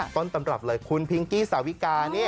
ต้นตำรับเลยคุณพิงกี้สาวิกานี่